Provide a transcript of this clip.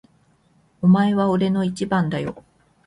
お前は俺の一番だよ。